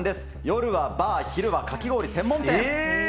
夜はバー、昼はかき氷専門店。